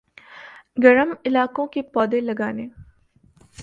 گرم علاقوں کے پودے لگانے